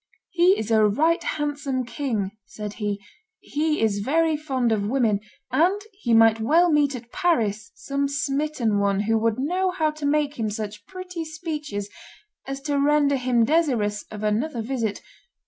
"He is a right handsome king," said he: "he is very fond of women; and he might well meet at Paris some smitten one who would know how to make him such pretty speeches as to render him desirous of another visit.